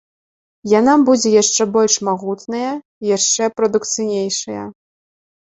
Яна будзе яшчэ больш магутная, яшчэ прадукцыйнейшая.